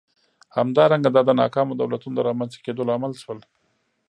همدارنګه دا د ناکامو دولتونو د رامنځته کېدو لامل شول.